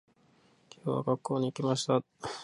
今日は、学校に行きました。